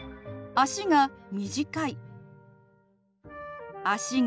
「足が短い」。